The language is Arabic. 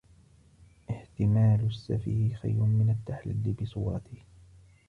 احْتِمَالُ السَّفِيهِ خَيْرٌ مِنْ التَّحَلِّي بِصُورَتِهِ